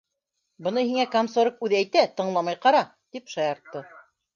- Быны һиңә комсорг үҙе әйтә, тыңламай ҡара! — тип шаяртты.